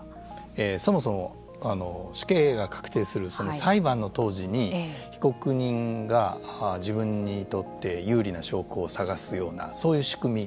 そもそも死刑が確定する裁判の当時に被告人が自分にとって有利な証拠を探すようなそういう仕組み